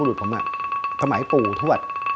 อิทธิยศตั้งแต่บรรทบุรุษผมพมันไหนปู่ทวด